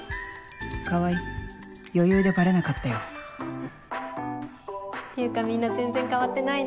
川合余裕でバレなかったよっていうかみんな全然変わってないね。